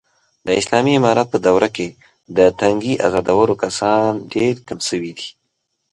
د اسالامي امارت په دوره کې، د تنگې ازادولو کسان ډېر کم شوي دي.